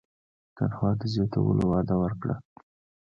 تنخوا د زیاتولو وعده ورکړه.